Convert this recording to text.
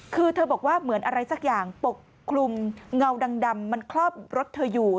คือเธอบอกว่าเหมือนอะไรสักอย่างปกคลุมเงาดำมันครอบรถเธออยู่